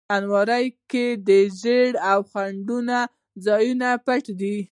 الماري کې د ژړا او خندا ځایونه پټ دي